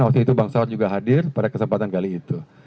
waktu itu bang saud juga hadir pada kesempatan kali itu